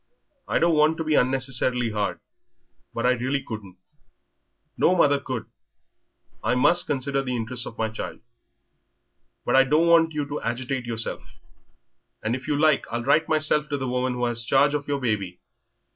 I don't want to be unnecessarily hard but I really couldn't no mother could. I must consider the interests of my child. But I don't want you to agitate yourself, and if you like I'll write myself to the woman who has charge of your baby.